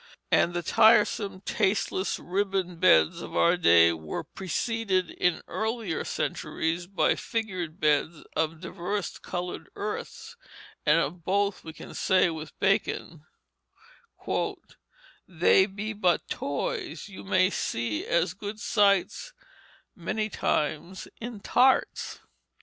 And the tiresome, tasteless ribbon beds of our day were preceded in earlier centuries by figured beds of diverse colored earths and of both we can say with Bacon, "they be but toys, you may see as good sights many times in tarts."